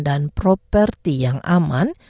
dan properti yang aman